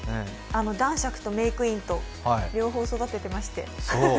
男爵とメイクイーンとか両方育ててまして。